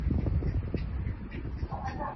三臂星虫为孔盘虫科三臂星虫属的动物。